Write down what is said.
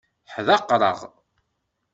Ḥdaqreɣ.